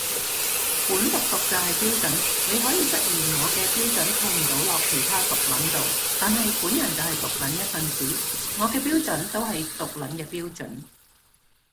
本毒毒就係標準，你可以質疑我嘅標準套唔到落其他毒撚度，但係本人就係毒撚一份子，我嘅標準都係毒撚嘅標準